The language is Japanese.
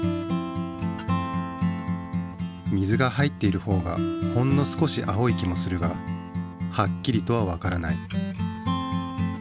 水が入っているほうがほんの少し青い気もするがはっきりとはわからない。